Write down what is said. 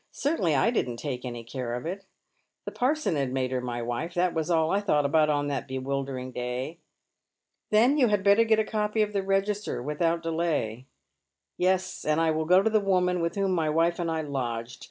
Certainly I didn't take any care of it. The parson had made her my wife. Tb.at was all I thought about on that be wildering day." " Then you had better get a copy of the register without delay." " Yes, and I will go to the woman with whom my wife and I lodged.